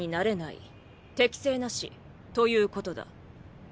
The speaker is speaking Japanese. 適正なしということだ。